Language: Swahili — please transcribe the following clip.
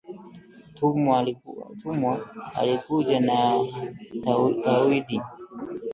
Tumwa alikuja na “tauhid"